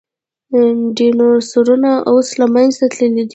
ډیناسورونه اوس له منځه تللي دي